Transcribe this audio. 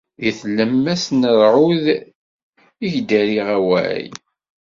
Di tlemmast n ṛṛɛud i k-d-rriɣ awal.